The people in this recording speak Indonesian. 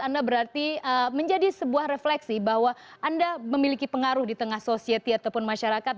anda berarti menjadi sebuah refleksi bahwa anda memiliki pengaruh di tengah society ataupun masyarakat